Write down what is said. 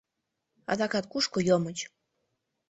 — Адакат кушко йомыч?